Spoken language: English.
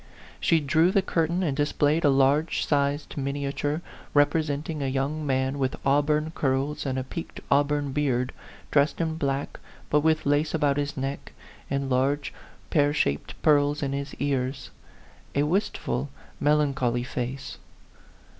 She drew the curtain and displayed a large sized miniature, represent ing a young man, with auburn curls and a peaked auburn beard, dressed in black, but with lace about his neck, and large, pear shaped pearls in his ears : a wistful, melan choly face.